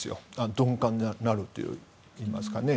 鈍感になるといいますかね。